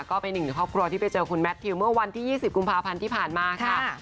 ก็เป็นหนึ่งครอบครัวที่ไปเจอคุณแมททิวเมื่อวันที่๒๐กุมภาพันธ์ที่ผ่านมาค่ะ